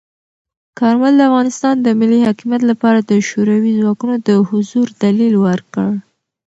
کارمل د افغانستان د ملی حاکمیت لپاره د شوروي ځواکونو د حضور دلیل ورکړ.